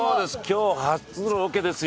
今日初のロケですよ。